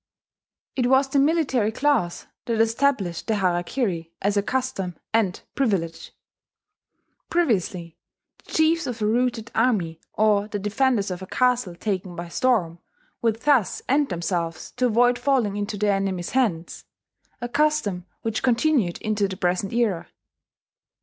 It was the military class that established the harakiri as a custom and privilege. Previously, the chiefs of a routed army, or the defenders of a castle taken by storm, would thus end themselves to avoid falling into the enemy's hands, a custom which continued into the present era.